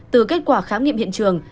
từ kết quả khám nghiệm hiện trường